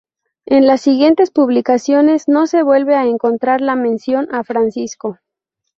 En las siguientes publicaciones no se vuelve a encontrar la mención a Francisco.